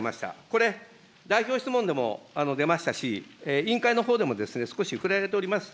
これ、代表質問でも出ましたし、委員会のほうでも少し触れられております。